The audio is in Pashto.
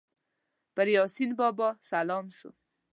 پر یاسین بابا سلام سو